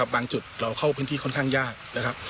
บางจุดเราเข้าพื้นที่ค่อนข้างยากนะครับ